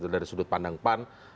dari sudut pandang pan